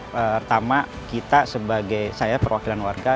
pertama kita sebagai saya perwakilan warga